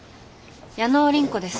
矢野倫子です